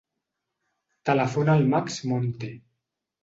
Telefona al Max Monte.